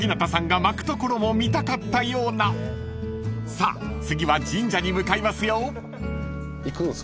［さあ次は神社に向かいますよ］